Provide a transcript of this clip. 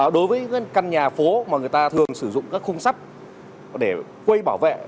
đối với căn nhà phố mà người ta thường sử dụng các khung sắt để quây bảo vệ